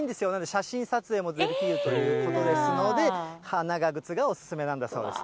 写真撮影もできるということですので、長靴がお勧めなんだそうです。